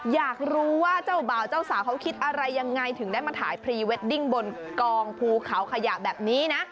อยากรู้ว่าเจ้าบ่าวเจ้าสาวเขาคิดอะไรยังไงถึงได้มาถ่ายพรีเวดดิ้งบนกองภูเขาขยะแบบนี้นะ